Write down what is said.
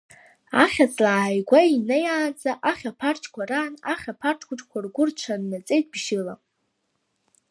Ахьаҵла ааигәа инеиаанӡа ахьаԥарчқәа раан ахьаԥарчхәыҷқәа ргәы рҽаннаҵеит бжьыла.